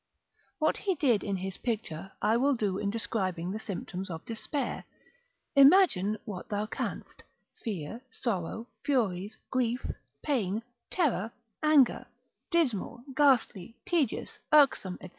What he did in his picture, I will do in describing the symptoms of despair; imagine what thou canst, fear, sorrow, furies, grief, pain, terror, anger, dismal, ghastly, tedious, irksome, &c.